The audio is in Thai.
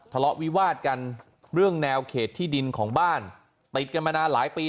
ทะเลาะวิวาดกันเรื่องแนวเขตที่ดินของบ้านติดกันมานานหลายปี